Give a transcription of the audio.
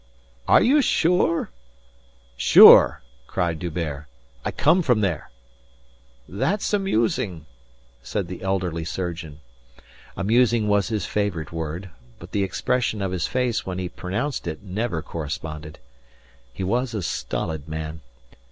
"Are you sure?" "Sure!" cried D'Hubert. "I come from there." "That's amusing," said the elderly surgeon. Amusing was his favourite word; but the expression of his face when he pronounced it never corresponded. He was a stolid man.